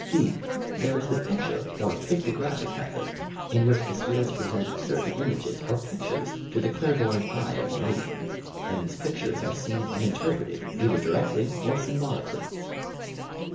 (b) There is the picture or "pictographic" method, in which the spirits present certain images or pictures to the clairvoyant eye of the medium, and these pictures are seen and interpreted either directly or symbolically.